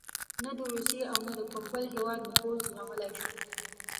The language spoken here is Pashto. نه د روسیې او نه د کوم بل هېواد نفوذ زغملای شو.